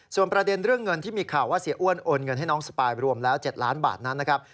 ส่วนประเด็นเรื่องเงินที่มีข่าวว่าเสียอ้วนโอนเงินให้น้องสปายรวมแล้ว๗ล้านบาทนั้นนะครับ